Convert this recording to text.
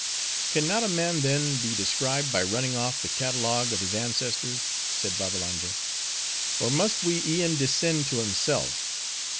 "Can not a man then, be described by running off the catalogue of his ancestors?" said Babbalanja. "Or must we e'en descend to himself.